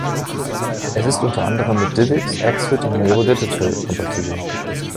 Es ist unter anderem mit DivX, Xvid und Nero Digital kompatibel.